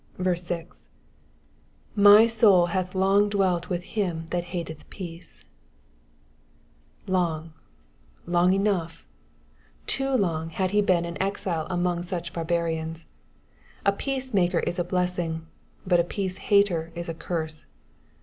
*' 6. "ify ioul hath long dwelt with him that haieth peaeey Long, long enough, too long had he been an exile among such barbarians. A peace maker is a blessing, but a peace hater is a curse.